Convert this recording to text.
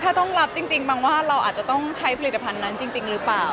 ถ้าต้องรับจริงบางว่าเราอาจจะต้องใช้ผลิตภัณฑ์นั้นจริงหรือเปล่า